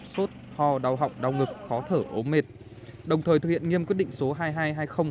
sốt ho đau họng đau ngực khó thở ốm mệt đồng thời thực hiện nghiêm quyết định số hai nghìn hai trăm hai mươi